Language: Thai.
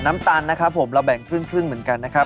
น้ำตาลนะครับผมเราแบ่งครึ่งเหมือนกันนะครับ